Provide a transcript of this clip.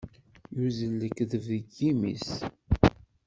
Yuzzel lekdeb deg yimi-s.